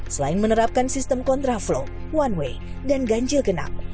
selain menerapkan sistem kontraflow one way dan ganjil genap